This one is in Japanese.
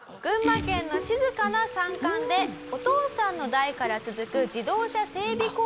「群馬県の静かな山間でお父さんの代から続く自動車整備